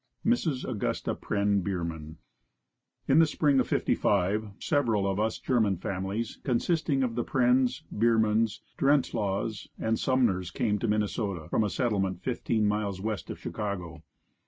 Mrs. Augusta Prehn Bierman. In the spring of '55 several of us German families, consisting of the Prehn's, Bierman's, Drentlaws and Sumner's, came to Minnesota from a settlement fifteen miles west of Chicago.